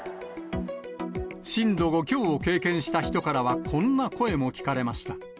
震度５強を経験した人からは、こんな声も聞かれました。